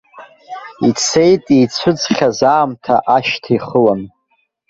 Ицеит ицәыӡхьаз аамҭа ашьҭа ихылан.